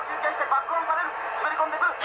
滑り込んでくる。